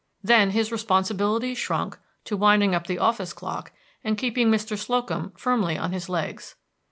Then his responsibilities shrunk to winding up the office clock and keeping Mr. Slocum firmly on his legs.